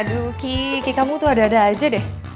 aduh kik kik kamu tuh ada ada aja deh